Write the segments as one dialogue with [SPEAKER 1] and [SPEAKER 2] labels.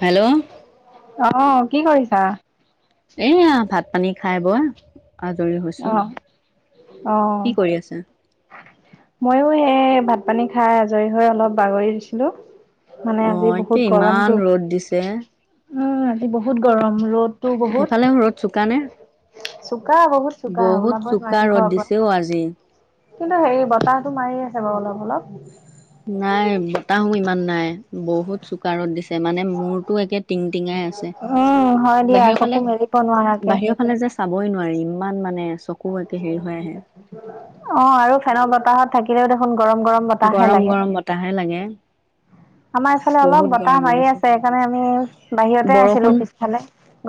[SPEAKER 1] Hello
[SPEAKER 2] অ' কি কৰিছা?
[SPEAKER 1] এয়া ভাত পানী খাই বই আজৰি হৈছোঁ৷
[SPEAKER 2] অ',
[SPEAKER 1] কি কৰি আছা?
[SPEAKER 2] ময়ো এই ভাত পানী খাই আজৰি হৈ অলপ বাগৰি দিছিলো৷ মানে
[SPEAKER 1] অ
[SPEAKER 2] আজি বহুত
[SPEAKER 1] এতিয়া ইমান
[SPEAKER 2] গৰমতটো,
[SPEAKER 1] ৰ'দ দিছে
[SPEAKER 2] উম আজি বহুত গৰম ৰ'দ,
[SPEAKER 1] সেইফালে ৰদ চোকানে?
[SPEAKER 2] চোকা, বহুত চোকা ওলাব নোৱাৰি
[SPEAKER 1] ৰ'দ
[SPEAKER 2] ঘৰৰ
[SPEAKER 1] দিছে অ আজি
[SPEAKER 2] পৰা৷ কিন্তু হেৰি বতাহটো মাৰি আছে বাৰু অলপ-অলপ৷
[SPEAKER 1] নাই বতাহো ইমান নাই বহুত চোকাৰদ দিছে মানে মূৰতো একে টিং টিঙাই আছে।
[SPEAKER 2] উম, হয় দিয়া
[SPEAKER 1] বাহিৰৰ
[SPEAKER 2] চকু
[SPEAKER 1] ফালে
[SPEAKER 2] মেলিব নোৱাৰাকে।
[SPEAKER 1] বাহিৰ ফালে যে চাবই নোৱাৰি ইমান মানে চকু একে হেৰি হৈ আহে
[SPEAKER 2] অ' আৰু ফেনৰ বতাহত থাকিলেও দেখোন। গৰম-গৰম বতাহাহে
[SPEAKER 1] গৰম
[SPEAKER 2] লাগে।
[SPEAKER 1] গৰম বতাহে লাগে
[SPEAKER 2] আমাৰ এইফালে অলপ বতাহ মাৰি আছে সেইকাৰণে আমি বাহিৰতে আছিলোঁ পিছফালে।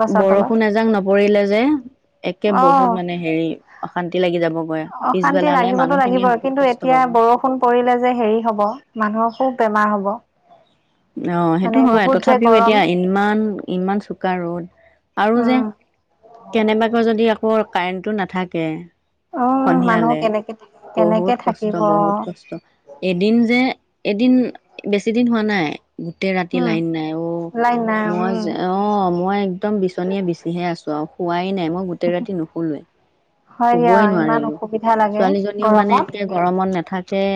[SPEAKER 2] গছৰ তলত
[SPEAKER 1] এজাক নপৰিলে যে। একে
[SPEAKER 2] অ'।
[SPEAKER 1] বহুত মানে হেৰি অশান্তি লাগি যাব।
[SPEAKER 2] অশান্তি লাগিবতো লাগিব কিন্তু
[SPEAKER 1] কষ্ট
[SPEAKER 2] এতিয়া
[SPEAKER 1] পাব অ
[SPEAKER 2] বৰষুণ পৰিলে যে হেৰি হব মানুহৰ খুব। বেমাৰ হ'ব।
[SPEAKER 1] অ' সেইটো
[SPEAKER 2] মানে
[SPEAKER 1] হয়
[SPEAKER 2] বহুত যে
[SPEAKER 1] তথাপিও
[SPEAKER 2] গৰম
[SPEAKER 1] এতিয়া ইমান ইমান চোকা ৰ'দ। আৰু যে
[SPEAKER 2] উম
[SPEAKER 1] কেনেবাকে যদি আকৌ কাৰেণ্টটো নাথাকে।
[SPEAKER 2] অ মানুহ
[SPEAKER 1] সন্ধিয়ালে
[SPEAKER 2] কেনেকে থাকে
[SPEAKER 1] বহুত কষ্ট বহুত কষ্ট এদিন যে এদিন বেছি দিন হোৱা নাই গোটেই ৰাতি
[SPEAKER 2] উম
[SPEAKER 1] লাইন নাই অ
[SPEAKER 2] লাইন নাই উম
[SPEAKER 1] মই যে অ মই একদম বিচনীয়ে বিচিহে আছো আৰু হোৱাই নাই মই গোটেই ৰাতি নুখোলোৱ
[SPEAKER 2] হয় দিয়া
[SPEAKER 1] শুবই
[SPEAKER 2] ইমান
[SPEAKER 1] নোৱাৰিলো
[SPEAKER 2] অসুবিধা লাগে
[SPEAKER 1] ছোৱালীজনীও মানে
[SPEAKER 2] গৰমত
[SPEAKER 1] একে গৰমত নাথাকে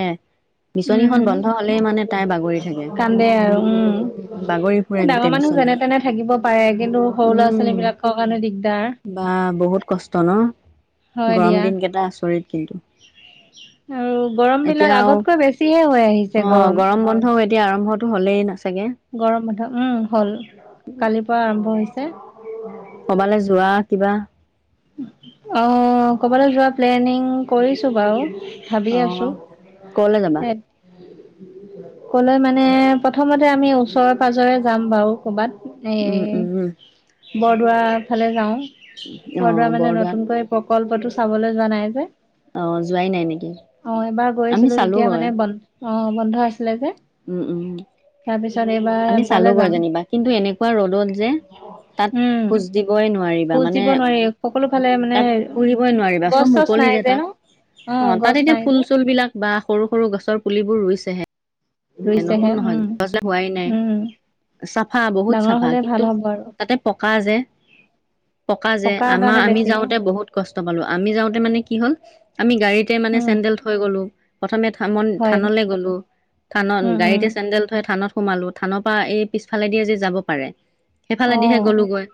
[SPEAKER 1] বিচনীখন
[SPEAKER 2] উম
[SPEAKER 1] বন্ধ হলেই মানে তাই বাগৰি থাকে
[SPEAKER 2] কান্দে আৰু
[SPEAKER 1] উম বাগৰি ফুৰে
[SPEAKER 2] এই ডাঙৰ
[SPEAKER 1] গোটেই
[SPEAKER 2] মানুহ
[SPEAKER 1] বিচনা
[SPEAKER 2] যেনে তেনে থাকিব পাৰে কিন্তু সৰু ল'ৰা
[SPEAKER 1] উম
[SPEAKER 2] ছোৱালী বিলাকৰ কাৰণে দিগদাৰ
[SPEAKER 1] বা বহুত কষ্ট ন
[SPEAKER 2] হয়
[SPEAKER 1] গৰম
[SPEAKER 2] দিয়া
[SPEAKER 1] দিনকেইটা আচৰিত কিন্তু।
[SPEAKER 2] আৰু গৰম বিলাক
[SPEAKER 1] এতিয়াও
[SPEAKER 2] আগতকৈ বেছিহে হৈ
[SPEAKER 1] অ
[SPEAKER 2] আহিছে গৰম
[SPEAKER 1] বন্ধও এতিয়া আৰম্ভটো হ'লেই না চাগে।
[SPEAKER 2] গৰম বন্ধ উম হ'ল কালিৰ পৰা আৰম্ভ হৈছে
[SPEAKER 1] কবালৈ যোৱা কিবা
[SPEAKER 2] অ ক'বালৈ যোৱা প্লেনিং কৰিছো বাৰু ভাবি
[SPEAKER 1] অ
[SPEAKER 2] আছো
[SPEAKER 1] কলৈ যাবা?
[SPEAKER 2] এ কলে মানে প্ৰথমতে আমি ওচৰে পাজৰে যাম বাৰু কৰ'বাত
[SPEAKER 1] উম উম উম
[SPEAKER 2] বৰদোৱাৰ ফালে যাওঁ
[SPEAKER 1] উ
[SPEAKER 2] বৰদোৱা মানে নতুনকৈ প্ৰকল্পতটো চাবলৈ যোৱা নাই যে
[SPEAKER 1] যোৱাই নাই নেকি?
[SPEAKER 2] অ এবাৰ
[SPEAKER 1] আমি
[SPEAKER 2] গৈছিলো তেতিয়া
[SPEAKER 1] চালোগৈ
[SPEAKER 2] মানে বন্ধ অ বন্ধ আছিলে যে
[SPEAKER 1] উম উম
[SPEAKER 2] তাৰপিছত এইবাৰ
[SPEAKER 1] আমি
[SPEAKER 2] তালৈ
[SPEAKER 1] চালোগৈ
[SPEAKER 2] যাম
[SPEAKER 1] যেনিবা কিন্তু এনেকুৱা ৰ'দত যে তাত
[SPEAKER 2] উম
[SPEAKER 1] খোজ দিবই নোৱাৰিবা
[SPEAKER 2] খোজ
[SPEAKER 1] মানে
[SPEAKER 2] দিব নোৱাৰি সকলো ফালে মানে
[SPEAKER 1] তাত ফুৰিবই নোৱাৰিবা
[SPEAKER 2] গছ
[SPEAKER 1] চব
[SPEAKER 2] চছ
[SPEAKER 1] মুকলি
[SPEAKER 2] নাই
[SPEAKER 1] যে তাত
[SPEAKER 2] ন
[SPEAKER 1] অ
[SPEAKER 2] গছ
[SPEAKER 1] তাত এতিয়া
[SPEAKER 2] নাই
[SPEAKER 1] ফুল
[SPEAKER 2] যে
[SPEAKER 1] চুল বিলাক বা সৰু সৰু গছৰ পুলিবোৰ ৰুইছেহে নতুন
[SPEAKER 2] ৰুইছেহে
[SPEAKER 1] নহয়
[SPEAKER 2] উম
[SPEAKER 1] গছবিলাক হোৱাই নাই
[SPEAKER 2] উম
[SPEAKER 1] চাফা বহুত
[SPEAKER 2] ডাঙৰ
[SPEAKER 1] চাফা
[SPEAKER 2] হলে ভাল
[SPEAKER 1] কিন্তু
[SPEAKER 2] হ'ব আৰু
[SPEAKER 1] তাতে পকা যে পকা যে
[SPEAKER 2] পকাৰ
[SPEAKER 1] আমাৰ
[SPEAKER 2] কাৰণে
[SPEAKER 1] আমি
[SPEAKER 2] বেছি গ
[SPEAKER 1] যাওঁতে বহুত কষ্ট পালো আমি যাওঁতে মানে কি হ'ল আমি গাড়ীতে মানে
[SPEAKER 2] উম
[SPEAKER 1] চেনডেল থৈ গলো প্ৰথমে
[SPEAKER 2] হয়
[SPEAKER 1] থানলে গ'লো থানত
[SPEAKER 2] উম উম
[SPEAKER 1] গাড়ীতে চেণ্ডেল থৈ থানত সোমালো থানৰ পৰা এই পিছফালেদি আজি যাব পাৰে
[SPEAKER 2] অ
[SPEAKER 1] সেইফালেদিহে গ'লোগৈ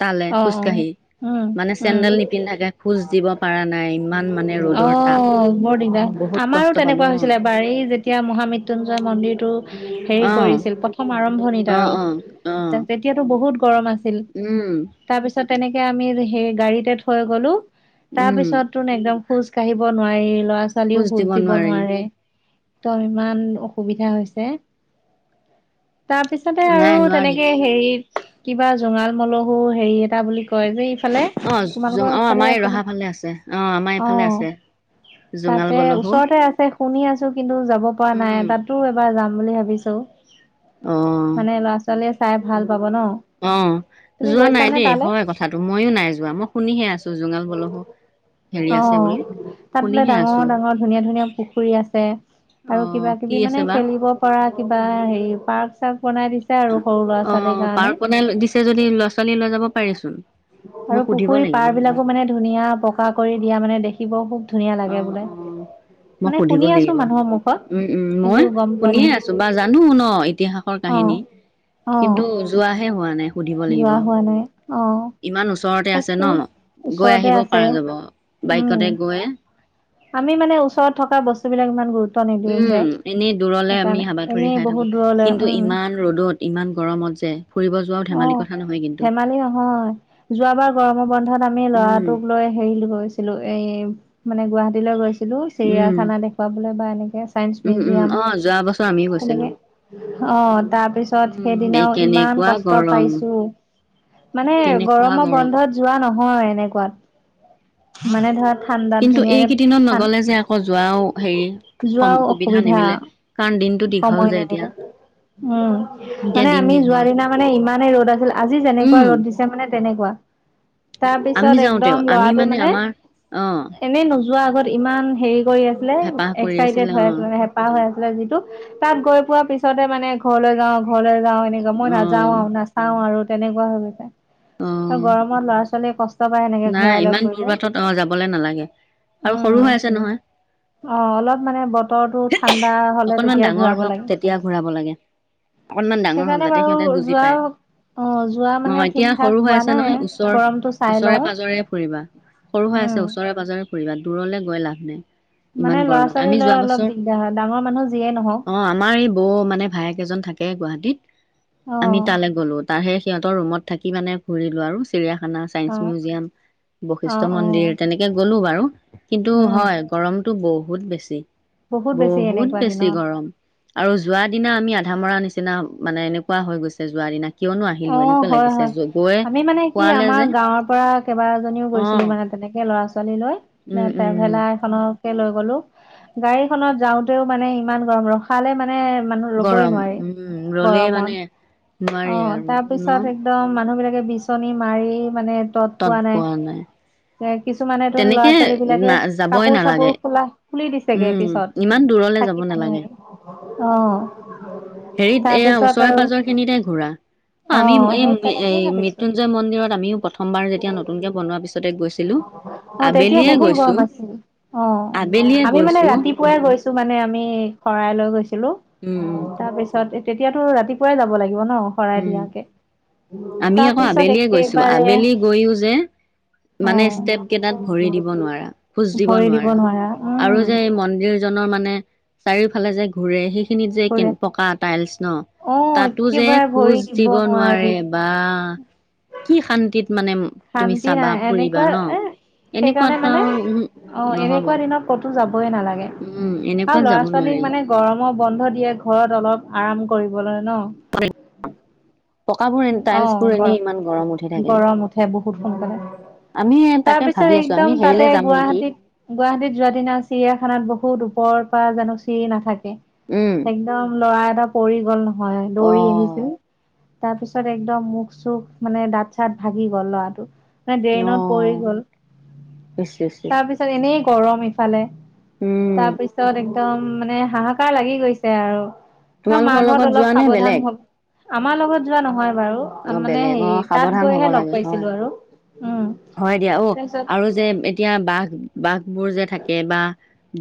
[SPEAKER 1] তালে
[SPEAKER 2] অ অ
[SPEAKER 1] খোজকাাঢ়ি
[SPEAKER 2] উম
[SPEAKER 1] মানে
[SPEAKER 2] উম
[SPEAKER 1] চেন্দেল নিপিন্ধাকে খোজ দিব পৰা নাই ইমান মানে ৰ'দৰ
[SPEAKER 2] অ
[SPEAKER 1] তাপ
[SPEAKER 2] বোৰ
[SPEAKER 1] বহুত
[SPEAKER 2] দিগদাৰ আমাৰো
[SPEAKER 1] কষ্ট পালো
[SPEAKER 2] তেনেকুৱা হৈছিলে বাৰী যেতিয়া মহামৃত্য স্যুঞ্জয় মন্দিৰটো হেৰি
[SPEAKER 1] অ
[SPEAKER 2] কৰিছিল প্ৰথম আৰম্ভণিত
[SPEAKER 1] অ অ
[SPEAKER 2] আৰু
[SPEAKER 1] অ অ
[SPEAKER 2] তেতিয়াতো বহুত গৰম আছিল
[SPEAKER 1] উম
[SPEAKER 2] তাৰ পিছত তেনেকে আমি সেই গাড়ীতে থৈ গলো তাৰ
[SPEAKER 1] উম
[SPEAKER 2] পিছত তোন একদম খোজ কাঢ়িব নোৱাৰি ল'ৰা ছোৱালীও খোজ দিব নোৱাৰে একদম ইমান অসুবিধা হৈছে তাৰ পিছতে আৰু
[SPEAKER 1] নাই নোৱাৰিম
[SPEAKER 2] তেনেকে হেৰিত, কিবা জঙাল মলহ সৌ, হেৰি এটা বুলি কয় যে। ফালে
[SPEAKER 1] অ জোং অ
[SPEAKER 2] তোমালোকৰফালে
[SPEAKER 1] আমাৰ এই
[SPEAKER 2] আছে
[SPEAKER 1] ৰহা
[SPEAKER 2] নেকি?
[SPEAKER 1] ফালে আছে অ আমাৰ
[SPEAKER 2] অ।
[SPEAKER 1] এইফালে আছে জোঙাল
[SPEAKER 2] তাতে
[SPEAKER 1] বলহো
[SPEAKER 2] ওচৰতে আছে শুনি আছো কিন্তু যাব পৰা
[SPEAKER 1] উম
[SPEAKER 2] নাই। তাতো এবাৰ যাম। বুলি ভাবিছো।
[SPEAKER 1] অ
[SPEAKER 2] মানে ল'ৰা ছোৱালীয়ে চাই ভাল পাব ন।
[SPEAKER 1] অ।
[SPEAKER 2] তুমি
[SPEAKER 1] যোৱা নাই
[SPEAKER 2] গৈছানে
[SPEAKER 1] দেই
[SPEAKER 2] তালে?
[SPEAKER 1] হয়। কথাটো মইো নাই যোৱা মই শুনিহে আছো জুঙাল বলহো। হেৰি আছে
[SPEAKER 2] অ',
[SPEAKER 1] বুলি। শুনিহে আছো।
[SPEAKER 2] ফুলি আছে।
[SPEAKER 1] অ
[SPEAKER 2] আৰু কিবা
[SPEAKER 1] কি
[SPEAKER 2] কিবি মানে
[SPEAKER 1] আছে বা
[SPEAKER 2] খেলিব পৰা কিবা হেৰি পাৰ্ক। চাৰ্ক বনাই দিছে আৰু সৰু ল'ৰা
[SPEAKER 1] অ,
[SPEAKER 2] ছোৱালীৰ কাৰণে।
[SPEAKER 1] পাৰ্ক দিছে যদি ল'ৰা ছোৱালী লৈ যাব পাৰিচোন। মই
[SPEAKER 2] আৰু
[SPEAKER 1] সুধিব
[SPEAKER 2] পুখুৰী
[SPEAKER 1] লাগিব
[SPEAKER 2] পাৰ
[SPEAKER 1] এবাৰ
[SPEAKER 2] বিলাকো মানে ধুনীয়া। পকা কৰি দিয়া মানে দেখিব খুব, ধুনীয়া
[SPEAKER 1] অ
[SPEAKER 2] লাগে বোলে।
[SPEAKER 1] অ মই
[SPEAKER 2] মানে
[SPEAKER 1] সুধিব
[SPEAKER 2] শুনি আছো
[SPEAKER 1] লাগিব।
[SPEAKER 2] মানুহৰ মুখত
[SPEAKER 1] উম, উম,
[SPEAKER 2] কিন্তু
[SPEAKER 1] মই
[SPEAKER 2] গম পোৱা নাই
[SPEAKER 1] শুনিয়ে আছো বা জানো ন ইতিহাসৰ
[SPEAKER 2] অ
[SPEAKER 1] কাহিন শুনি
[SPEAKER 2] অ
[SPEAKER 1] কিন্তু যোৱাহে হোৱা নাই স দিব লাগিব।
[SPEAKER 2] যোৱা হোৱা নাই অ
[SPEAKER 1] ইমান ওচৰতে আছে ন।
[SPEAKER 2] তাকে
[SPEAKER 1] গৈ
[SPEAKER 2] ওচৰতে
[SPEAKER 1] আহিব
[SPEAKER 2] আছে
[SPEAKER 1] পাৰা যাব,
[SPEAKER 2] উম
[SPEAKER 1] বাইকতে গৈ।
[SPEAKER 2] আমি মানে ওচৰত থকা বস্তু বিলাক ইমান গুৰুত
[SPEAKER 1] উম, এনেই দূৰলে আমি হাবাথুৰি
[SPEAKER 2] এনেই
[SPEAKER 1] খাই
[SPEAKER 2] বহুত
[SPEAKER 1] থাকো।
[SPEAKER 2] দূৰলৈ
[SPEAKER 1] কিন্তু
[SPEAKER 2] উম
[SPEAKER 1] ইমান ৰ'দত ইমান গৰমত যে ফুৰিব যোৱাও
[SPEAKER 2] অ,
[SPEAKER 1] ধেমালি কথা নহয় কিন্তু
[SPEAKER 2] ধেমালি নহয়। যোৱাবাৰ গৰমৰ বন্ ন্ধত আমি
[SPEAKER 1] উম
[SPEAKER 2] ল'ৰাটোক লৈ হেৰি গৈছিলো, এই, মানে গুৱাহাটীলৈ গৈছিলো।
[SPEAKER 1] উম
[SPEAKER 2] চিৰিয়াখানা দেখুৱাবলৈ বা এনেকে চাইন্স
[SPEAKER 1] উম উম
[SPEAKER 2] মিউজিয়াম
[SPEAKER 1] অ যোৱা বছৰ আমিও গৈছিলো
[SPEAKER 2] তেনেকে অ', তাৰ পিছত
[SPEAKER 1] উম বে
[SPEAKER 2] সেইদিনাও ইমান
[SPEAKER 1] কেনেকুৱা
[SPEAKER 2] কষ্ট
[SPEAKER 1] গৰম
[SPEAKER 2] পাইছো। মানে গৰম বন্ধত যোৱা নহ হয় এনেকুৱাত। মানে ধৰা ঠাণ্ডাত ধুনীয়াকে
[SPEAKER 1] দিনত
[SPEAKER 2] ঠান
[SPEAKER 1] নগ'লে যে আকৌ যোৱাও হেৰি,
[SPEAKER 2] যোৱাও
[SPEAKER 1] সম-সুবিধা
[SPEAKER 2] অসুবিধা
[SPEAKER 1] নিমিলে। কাৰণ দিনটো দীঘল
[SPEAKER 2] সময়
[SPEAKER 1] যে এতিয়া
[SPEAKER 2] নিমিলে। উম,
[SPEAKER 1] এতিয়া
[SPEAKER 2] মানে
[SPEAKER 1] দিন
[SPEAKER 2] আমি যোৱা
[SPEAKER 1] দীঘল
[SPEAKER 2] দিনা মানে ইমানেই ৰ'দ আছিল আজি যেনেকুৱা
[SPEAKER 1] উম
[SPEAKER 2] ৰ'দ দিছে মানে তেনেকুৱা। তাৰ পিছত,
[SPEAKER 1] আমি
[SPEAKER 2] একদম
[SPEAKER 1] যাওঁতেও আমি
[SPEAKER 2] ল'ৰাটো মানে
[SPEAKER 1] আমাৰ অ
[SPEAKER 2] এনেই নোয যোৱাৰ আগত ইমান হেৰি কৰি আছিলে,
[SPEAKER 1] হেঁপাহ কৰি
[SPEAKER 2] এক্সাইটেড হৈ
[SPEAKER 1] অ',
[SPEAKER 2] আছিলে, হেঁপাহ হৈ আছিলে যিটো তাত গৈ পোৱা পিছতে মানে ঘৰলৈ যাওঁ, ঘৰলৈ যাওঁ এনেককা মই নাযাও
[SPEAKER 1] অ',
[SPEAKER 2] আৰু, নাচাও আৰু তেনেকুৱা হৈ গৈছে। আৰু
[SPEAKER 1] অ',
[SPEAKER 2] গৰমত লৰা ছোৱালী কষ্ট পায় এনেকে
[SPEAKER 1] নাই,
[SPEAKER 2] ঘূৰাই লৈ
[SPEAKER 1] ইমান দূৰ
[SPEAKER 2] ফুৰিলে
[SPEAKER 1] বাটত অ যাবলে নালাগে। আৰু
[SPEAKER 2] উম।
[SPEAKER 1] সৰু হৈ আছে নহয়।
[SPEAKER 2] অ', অলপ মানে বতৰটো ঠাণ্ডা হ'লে
[SPEAKER 1] কন
[SPEAKER 2] তেতিয়া
[SPEAKER 1] ডাঙৰ
[SPEAKER 2] ঘূৰাব
[SPEAKER 1] হওঁক,
[SPEAKER 2] লাগে।
[SPEAKER 1] তেতিয়া ঘূৰাব লাগে। অকনমান ডাঙৰ হওঁক
[SPEAKER 2] সেইকাৰণে
[SPEAKER 1] যাতে
[SPEAKER 2] বাৰু
[SPEAKER 1] সিহঁতে বুজি
[SPEAKER 2] যোৱা
[SPEAKER 1] পায়।
[SPEAKER 2] অ যোৱা
[SPEAKER 1] ন,
[SPEAKER 2] মানে ঠিক
[SPEAKER 1] এতিয়া
[SPEAKER 2] ঠাক
[SPEAKER 1] সৰু
[SPEAKER 2] হোৱা
[SPEAKER 1] হৈ সৰু
[SPEAKER 2] নাই
[SPEAKER 1] হৈ আছে।
[SPEAKER 2] গৰমটো চাই লওঁ
[SPEAKER 1] ওচৰে-পাঁজৰে
[SPEAKER 2] উম।
[SPEAKER 1] ফুৰিবা দূৰলৈ গৈ লাভ নাই। ইমান
[SPEAKER 2] মানে ল'ৰা
[SPEAKER 1] গৰমত
[SPEAKER 2] ছোৱালী
[SPEAKER 1] আমি
[SPEAKER 2] লৈ
[SPEAKER 1] যোৱা
[SPEAKER 2] অলপ
[SPEAKER 1] বছৰ
[SPEAKER 2] দিগদাৰ হয়। ডাঙৰ মানুহ যিয়েই নহওঁক।
[SPEAKER 1] অ', আমাৰ বৌ মানে ভায়েক এজন থাকে গুৱাহাটীত।
[SPEAKER 2] অ
[SPEAKER 1] আমি তালৈ গ'লো। তাৰ হেই সিহঁতৰ ৰুমত থাকি মানে ফুৰিলো আৰু চ চিৰিয়াখানা, চাইন্স
[SPEAKER 2] অ
[SPEAKER 1] মিউজিয়াম,
[SPEAKER 2] অ
[SPEAKER 1] বৈশিষ্ট
[SPEAKER 2] অ
[SPEAKER 1] মন্দিৰ তেনেকে গ'লো বাৰু। কিন্তু
[SPEAKER 2] উম
[SPEAKER 1] হয়, গৰমতটো বহুত বেছি।
[SPEAKER 2] বেছি
[SPEAKER 1] বহুত
[SPEAKER 2] এনেকুৱা
[SPEAKER 1] বেছি
[SPEAKER 2] দিনত
[SPEAKER 1] গৰম। আৰু যোৱা দিনা আমি আধা মৰা নিচিনা মানে এনেকুৱা হৈ গৈছে যোৱাৰ দিনা। কিয়নো আহিলো
[SPEAKER 2] অ',
[SPEAKER 1] এনেকুৱা
[SPEAKER 2] হয়,
[SPEAKER 1] লাগিছে
[SPEAKER 2] হয়।
[SPEAKER 1] গৈ
[SPEAKER 2] আমি মানে কি
[SPEAKER 1] পোৱালে
[SPEAKER 2] আমাৰ
[SPEAKER 1] যে
[SPEAKER 2] গাঁৱৰ পৰা কেইবাজীও
[SPEAKER 1] অ
[SPEAKER 2] গৈছিলো মানে তে এনেকে ল'ৰা ছোৱালী লৈ। এ
[SPEAKER 1] উম উম
[SPEAKER 2] ট্ৰেভেলাৰ এখনত লৈ গ'লো। গাড়ীখনত যাওঁতেও মানে ইমান গৰম। ৰখালে মানে মানে মানুহ ৰবই
[SPEAKER 1] গৰম
[SPEAKER 2] নোৱাৰি
[SPEAKER 1] উম ৰলেই
[SPEAKER 2] গৰমত।
[SPEAKER 1] মানে
[SPEAKER 2] অ'।
[SPEAKER 1] নোৱাৰি আৰু
[SPEAKER 2] তাৰ
[SPEAKER 1] ন
[SPEAKER 2] পিছত একদম মানুহ বিলাকে বিচনী মাৰি মানে তত পোৱা নাই। এক কিছুমান এ তোন ল'ৰা
[SPEAKER 1] তেনেকে
[SPEAKER 2] ছোৱালী বিলাকে
[SPEAKER 1] না যাবই
[SPEAKER 2] কাপোৰ-চাপোৰ
[SPEAKER 1] নালাগে
[SPEAKER 2] খোলা খুলি দিছেগে
[SPEAKER 1] উম,
[SPEAKER 2] পিছত।
[SPEAKER 1] ইমান দূৰলে যাব
[SPEAKER 2] থাকিব
[SPEAKER 1] নালাগে।
[SPEAKER 2] নোৱাৰি। অ'।
[SPEAKER 1] হেৰিত এয়া
[SPEAKER 2] তাৰপিছত আৰু
[SPEAKER 1] ওচৰে-পাজৰে খিনিতে ঘূৰা। অ', আমি
[SPEAKER 2] অ'
[SPEAKER 1] এই
[SPEAKER 2] সেই তেনেকেই
[SPEAKER 1] এই
[SPEAKER 2] ভাবিছো
[SPEAKER 1] মৃত্যুঞ্জয় মন্দিৰত আমিও প্ৰথমবাৰ যেতিয়া নতুনকে বনোৱাৰ পিছতে গৈছিলো।
[SPEAKER 2] অ', তেতিয়া বহুত গৰম আছিল। অ'। আ
[SPEAKER 1] আবেলিয়ে
[SPEAKER 2] আমি মানে
[SPEAKER 1] গৈছোঁ,
[SPEAKER 2] ৰাতিপুৱাই গৈছো, মানে আমি শৰাই লৈ গৈছিলো।
[SPEAKER 1] উম, উম,
[SPEAKER 2] তাৰ পিছত এ তিয়াতো ৰাতিপুৱাই যাব লাগিব ন। শৰাই
[SPEAKER 1] উম,
[SPEAKER 2] দিয়াকে।
[SPEAKER 1] আমি আকৌ
[SPEAKER 2] তাৰপিছত
[SPEAKER 1] আবেলিয়ে গৈছো।
[SPEAKER 2] একেবাৰে
[SPEAKER 1] আবেলি গৈও যে মানে ষ্টেপ
[SPEAKER 2] অ'
[SPEAKER 1] কেইটাত ভৰি দিব নোৱাৰা, খোজ দিব নোৱাৰা। আৰু যে এই মন্দিৰ জ নৰ মানে চাৰিওফালে যে ঘূৰে। ষ সেইখিনিত যে
[SPEAKER 2] ঘূৰে।
[SPEAKER 1] কেন-পকা টাইলছ ন,
[SPEAKER 2] অ'
[SPEAKER 1] তাতো যে
[SPEAKER 2] একেবাৰে
[SPEAKER 1] খোজ
[SPEAKER 2] ভৰি
[SPEAKER 1] দিব নোৱাৰে।
[SPEAKER 2] নোৱাৰি
[SPEAKER 1] বা কি শান্তিত মানে তুমি
[SPEAKER 2] শান্তি
[SPEAKER 1] চাবা
[SPEAKER 2] নাই।
[SPEAKER 1] ফুৰিবা
[SPEAKER 2] এনেকুৱা
[SPEAKER 1] ন
[SPEAKER 2] এ সেইকাৰণে
[SPEAKER 1] এনেকুৱাত
[SPEAKER 2] মানে
[SPEAKER 1] আৰু উহো
[SPEAKER 2] অ',
[SPEAKER 1] নহ'ব
[SPEAKER 2] এনেকুৱা দিনত ক'তো যাবই নালাগে
[SPEAKER 1] উম
[SPEAKER 2] আৰু
[SPEAKER 1] এনেকুৱাত
[SPEAKER 2] ল'ৰা
[SPEAKER 1] যাব
[SPEAKER 2] ছোৱালী
[SPEAKER 1] নোৱাৰি
[SPEAKER 2] মানে গৰমত বন্ধ দিয়ে ঘৰত অলপ আৰাম কৰিবলৈ ন
[SPEAKER 1] পকাবোৰ
[SPEAKER 2] অ
[SPEAKER 1] টাইলছ বোৰ এনেই
[SPEAKER 2] গৰম
[SPEAKER 1] ইমান উঠি থাকে
[SPEAKER 2] গৰম উঠে স বহুত সোনকালে
[SPEAKER 1] আমি
[SPEAKER 2] তাৰ
[SPEAKER 1] তাকে
[SPEAKER 2] পিছত
[SPEAKER 1] ভাবি আছো আমি
[SPEAKER 2] একদম তাতে
[SPEAKER 1] হেৰিলে যাম নেকি
[SPEAKER 2] গুৱাহাটীত গুৱাহাটীত যোৱা দিনা চিৰিয়াখানাত বহুত ওপৰত জানো চি নাথাকে
[SPEAKER 1] উম
[SPEAKER 2] একদম লৰা এটা পৰি গ'ল নহয় হয়
[SPEAKER 1] অ
[SPEAKER 2] দৌৰি আহিছিল তাৰ পিছত একদম মুখ চুখ মানে দাঁত চাত ভাগ গ ল'ৰাটো মানে
[SPEAKER 1] অ
[SPEAKER 2] ড্ৰেইনত পৰি গ'ল
[SPEAKER 1] ইচ ইচ ইচ
[SPEAKER 2] তাৰপিছত এনে গৰম ইফালে
[SPEAKER 1] উম
[SPEAKER 2] তাৰপিছত একদম মানে হাহাকাৰ লাগি গৈছে আৰু
[SPEAKER 1] তোমালোকৰ
[SPEAKER 2] মাৰ ঘৰত
[SPEAKER 1] লগত
[SPEAKER 2] অলপ
[SPEAKER 1] যোৱা নে
[SPEAKER 2] সাৱধান
[SPEAKER 1] বেলেগ
[SPEAKER 2] হ আমাৰ লগত যোৱা নহয় বাৰু
[SPEAKER 1] অ
[SPEAKER 2] মানে
[SPEAKER 1] বেলেগ অ
[SPEAKER 2] হেৰি তাত
[SPEAKER 1] সাৱধান হ'ব
[SPEAKER 2] গৈহে লগ
[SPEAKER 1] লাগে হয়
[SPEAKER 2] পাইছিলো আৰু। উম
[SPEAKER 1] হয় দিয়া অ
[SPEAKER 2] তাৰপিছত
[SPEAKER 1] আৰু যে এতিয়া বাঘ বাঘবোৰ যে থাকে বা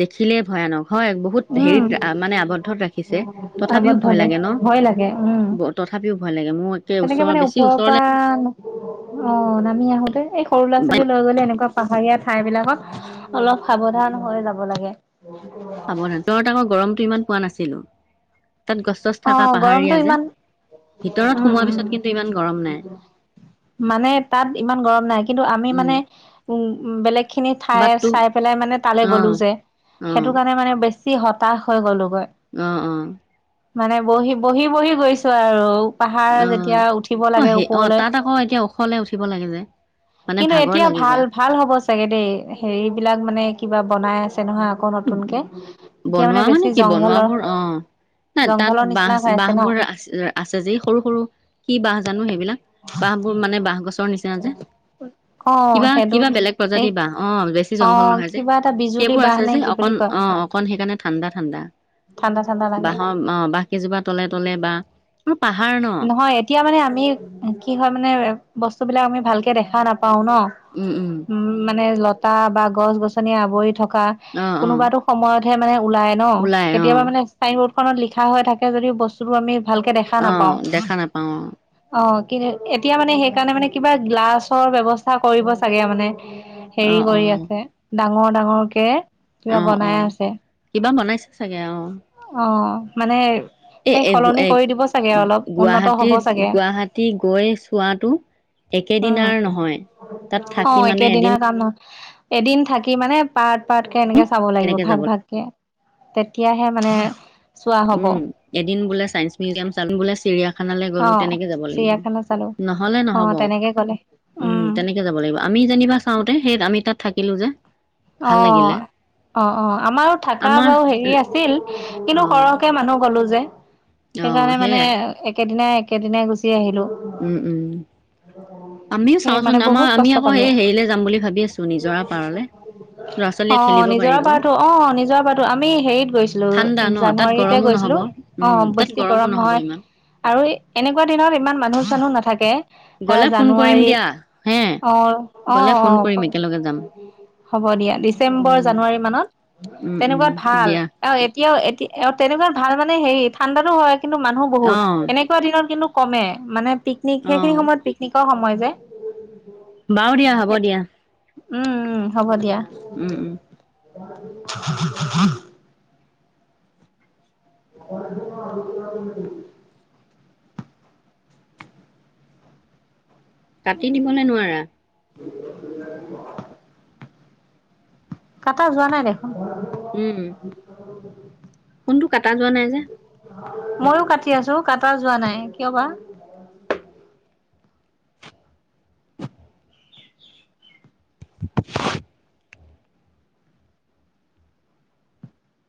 [SPEAKER 1] দেখিলে ভয়ানক হয় বহুত
[SPEAKER 2] উম
[SPEAKER 1] হেৰিত মানে আৱদ্ধত ৰাখিছে তথাপিও
[SPEAKER 2] আবদ্ধ
[SPEAKER 1] ভয়
[SPEAKER 2] যে
[SPEAKER 1] লাগে ন
[SPEAKER 2] ভয় লাগে উম।
[SPEAKER 1] তথাপিও ভয় লাগে মোৰ একে
[SPEAKER 2] তেনেকে
[SPEAKER 1] ওচৰৰ
[SPEAKER 2] মানে
[SPEAKER 1] বেছি
[SPEAKER 2] ওপৰৰ
[SPEAKER 1] ওচৰলে
[SPEAKER 2] পৰা অ নামি আহোতে এই সৰু ল'ৰা ছোৱালী লৈ গলে এনেকুৱা পাহাগীয়া ঠাই বিলাকক অলপ সাৱধান হৈ যাব লাগে
[SPEAKER 1] সাৱধানে তঁই তাকৈ গৰমটো ইমান পোৱা নাছিলো তাত গছ চছ থকা
[SPEAKER 2] অহ
[SPEAKER 1] পাহাৰীয়া
[SPEAKER 2] গৰমটো
[SPEAKER 1] যে
[SPEAKER 2] ইমান
[SPEAKER 1] ভিতৰত
[SPEAKER 2] উম
[SPEAKER 1] সোমোৱাৰ
[SPEAKER 2] উম
[SPEAKER 1] পিছত কিন্তু ইমান গৰম নাই
[SPEAKER 2] [inaudible] মানে তাত ইমান গৰম নাই কিন্তু আমি
[SPEAKER 1] উম
[SPEAKER 2] মানে উম বেলেগ খিনি ঠাই
[SPEAKER 1] বাট তোক
[SPEAKER 2] চাই পেলাই মানে তালৈ
[SPEAKER 1] অ
[SPEAKER 2] গ'লো যে
[SPEAKER 1] অ
[SPEAKER 2] সেইটো কাৰণে মানে বেছি হতাশ হৈ গ'লো
[SPEAKER 1] অহ অহ
[SPEAKER 2] মানে বহি বহি বহি গৈছো আৰু পাহাৰ
[SPEAKER 1] অ
[SPEAKER 2] যেতিয়া উঠিব
[SPEAKER 1] অ
[SPEAKER 2] লাগে
[SPEAKER 1] সেই অ
[SPEAKER 2] ওপৰলৈ
[SPEAKER 1] তাত আকৌ এতিয়া ওখলে উঠিব লাগে যে
[SPEAKER 2] [inaudible]
[SPEAKER 1] মানে
[SPEAKER 2] কিন্তু
[SPEAKER 1] ভাগৰ
[SPEAKER 2] এতিয়া
[SPEAKER 1] লাগি যায়
[SPEAKER 2] ভাল ভাল হ'ব চাগে দেই হেৰিবলাক মানে কিবা বনাই আছে আছে নহয় আকৌ নতুনকে এতিয়া
[SPEAKER 1] বনোৱা
[SPEAKER 2] মানে বেছি
[SPEAKER 1] কি
[SPEAKER 2] জংঘলৰ [inaudible]
[SPEAKER 1] বনোৱাবোৰ অ নাই তাত
[SPEAKER 2] জংঘলৰ
[SPEAKER 1] বাহ
[SPEAKER 2] নিচিনা হৈ আছে ন
[SPEAKER 1] বাহবোৰ আছে যে সৰু সৰু কি বাহ জানো সেইবিলাক বাহবোৰ মানে বাঁহ গছৰ নিচিনা যে
[SPEAKER 2] অ
[SPEAKER 1] কিবা
[SPEAKER 2] সেইটো
[SPEAKER 1] কিবা বেলেগ
[SPEAKER 2] এই
[SPEAKER 1] প্ৰজাতিৰ বাহ অ বেছি
[SPEAKER 2] অ
[SPEAKER 1] জংঘল নহয় যে
[SPEAKER 2] কিবা এটা বিজুলী
[SPEAKER 1] সেইবোৰ
[SPEAKER 2] বাহ
[SPEAKER 1] আছে
[SPEAKER 2] নে
[SPEAKER 1] যে
[SPEAKER 2] কি বুলি
[SPEAKER 1] অকন
[SPEAKER 2] কয়
[SPEAKER 1] অ অকন সেইকাৰণে ঠাণ্ডা ঠাণ্ডা
[SPEAKER 2] ঠাণ্ডা ঠাণ্ডা লাগে
[SPEAKER 1] বাঁহৰ অহ বাঁহ কেইজোপা তলে তলে বাঁহ
[SPEAKER 2] নহয় এতিয়া মানে আমি কি হয় মানে বস্তু বস্ত বিলাক আমি ভালকে দেখা নাপাও ন
[SPEAKER 1] উম উম
[SPEAKER 2] উ মানে লটা বা গছ গছনি আৱৰি থকা
[SPEAKER 1] অ অ
[SPEAKER 2] কোনোবাতো সময়তহে মানে ওলাই ন
[SPEAKER 1] ওলাই অ
[SPEAKER 2] কেতিয়াবা মানে চাইন বৰ্ড খনত লিখা হৈ থাকে যদি বস্তুটো আমি ভালকে দেখা
[SPEAKER 1] অ
[SPEAKER 2] নাপাও
[SPEAKER 1] দেখা নাপাও
[SPEAKER 2] অ কিন্তু এতিয়া মানে সেইকাৰণে মানে কিবা গ্লাছৰ ব্যৱস্থা কৰিব চাগে মানে
[SPEAKER 1] অ
[SPEAKER 2] হেৰি
[SPEAKER 1] অ
[SPEAKER 2] কৰি আছে ডাঙৰ ডাঙৰকে কিবা
[SPEAKER 1] অ অ অ
[SPEAKER 2] বনাই আছে
[SPEAKER 1] কিবা বনাইছে চাগে অ
[SPEAKER 2] অ মানে
[SPEAKER 1] এ
[SPEAKER 2] সেই সলনি
[SPEAKER 1] এ
[SPEAKER 2] কৰি দিব চাগে অলপ উন্নত হব
[SPEAKER 1] গুৱাহাটীত
[SPEAKER 2] চাগে
[SPEAKER 1] গুৱাহাটী গৈ চোৱাটো
[SPEAKER 2] [inaudible] উম
[SPEAKER 1] একেদিনাৰ নহয়। তাত
[SPEAKER 2] অ
[SPEAKER 1] থাকি মানে এদিন
[SPEAKER 2] একেদিনৰ কাম নহয় এদিন থাকি মানে পাৰ্ট পাৰ্টকে এনেকে চাব লাগিব
[SPEAKER 1] তেনেকে
[SPEAKER 2] ভাগ
[SPEAKER 1] যাব
[SPEAKER 2] ভাগকে। তেতিয়াহে মানে চোৱা হব
[SPEAKER 1] উম
[SPEAKER 2] অ
[SPEAKER 1] এদিন বোলে চাইন্স মিউজিয়াম চালো বোলে চিৰিয়া খানালৈ গলো তেনেকে যাব লাগিব
[SPEAKER 2] চিৰিয়াখানা চালো
[SPEAKER 1] নহলে
[SPEAKER 2] অ
[SPEAKER 1] নহব
[SPEAKER 2] তেনেকে গলে
[SPEAKER 1] উম তেনেকে যাব লাগিব আমি যেনিবা চাওঁতে সেই আমি তাত থাকিলো যে,
[SPEAKER 2] অ
[SPEAKER 1] ভাল লাগিলে
[SPEAKER 2] অ অ আমাৰো থাকা
[SPEAKER 1] আমাৰ
[SPEAKER 2] বাৰু হেৰি আছিল
[SPEAKER 1] অ
[SPEAKER 2] কিন্তু কৰ মানুহ গলো যে
[SPEAKER 1] অ
[SPEAKER 2] সেইকাৰণে মানে
[SPEAKER 1] সেইয়াই
[SPEAKER 2] একেদিনাই একেদিনাই গুচি আহিলো
[SPEAKER 1] উম উম আমিও
[SPEAKER 2] সেই
[SPEAKER 1] চাওঁচোন
[SPEAKER 2] মানে
[SPEAKER 1] আমাৰ
[SPEAKER 2] বহুত
[SPEAKER 1] আমি
[SPEAKER 2] কষ্ট
[SPEAKER 1] আকৌ
[SPEAKER 2] পালো
[SPEAKER 1] সেই হেৰিলৈ যাম বুলি ভাবি আছো নিজৰা পাৰলৈ।
[SPEAKER 2] অ নিজৰা পাৰো অ নিজৰ পাৰটো আমি হেৰিত গৈছিলো
[SPEAKER 1] ঠাণ্ডা ন তাত
[SPEAKER 2] জানুৱাৰীতে
[SPEAKER 1] গৰমো নহ'ব
[SPEAKER 2] গৈছিলো।
[SPEAKER 1] উম
[SPEAKER 2] অ',
[SPEAKER 1] তাত
[SPEAKER 2] বেছি
[SPEAKER 1] গৰমো
[SPEAKER 2] গৰম
[SPEAKER 1] নহ'ব
[SPEAKER 2] নহয়
[SPEAKER 1] ইমান
[SPEAKER 2] আৰু এনেকুৱা দিনত ইমান মানুহ চানুহ নাথাকে
[SPEAKER 1] গ'লে ফোন
[SPEAKER 2] ধৰা
[SPEAKER 1] কৰিম দিয়া
[SPEAKER 2] জানুৱাৰী
[SPEAKER 1] হে
[SPEAKER 2] অ',
[SPEAKER 1] গ'লে ফোন কৰিম
[SPEAKER 2] অ',
[SPEAKER 1] একেলগে যাম
[SPEAKER 2] অ', হ'ব দিয়া ডিচেম্বৰ
[SPEAKER 1] উম
[SPEAKER 2] জানুৱাৰী মানত
[SPEAKER 1] উম উম
[SPEAKER 2] তেনেকুৱাত ভাল
[SPEAKER 1] দিয়া
[SPEAKER 2] আৰু এতিয়া এওঁ এতিয়া তেনেকুৱা ভাল মানে হেৰি ঠাণ্ডাতো হয় কিন্তু মানুহ
[SPEAKER 1] অঁ
[SPEAKER 2] বহুত এনেকুৱা দিনত কিন্তু কমে মানে পিকনিক
[SPEAKER 1] অঁ
[SPEAKER 2] সেইখিনি সময়ত পিকনিকৰ সময় যে
[SPEAKER 1] বাৰু দিয়া হ'ব দিয়া
[SPEAKER 2] উম, উম হ'ব দিয়া।
[SPEAKER 1] উম, উম
[SPEAKER 2] [unintelligible] [unintelligible]
[SPEAKER 1] কাটি দিবনে নোৱাৰা
[SPEAKER 2] [unintelligible] কাটা যোৱা নাই দেখোন।
[SPEAKER 1] উম ফোনটো কটা যোৱা নাই যে
[SPEAKER 2] মইয়ো কাটি আছো কটা যোৱা নাই কিয়বা
[SPEAKER 1] [unintelligible]